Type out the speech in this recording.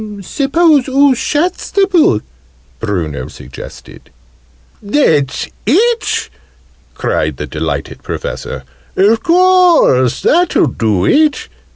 "Suppose oo shuts the book?" Bruno suggested. "That's it!" cried the delighted Professor. "Of course that'll do it!"